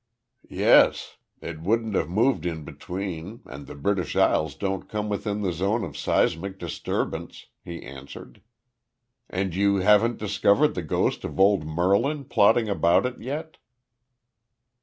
"Yes. It wouldn't have moved in between, and the British Isles don't come within the zone of seismic disturbance," he answered. "And you haven't discovered the ghost of old Merlin plodding about it yet?"